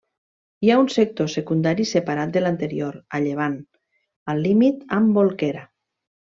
Hi ha un sector secundari, separat de l'anterior, a llevant, al límit amb Bolquera.